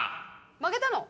負けたの？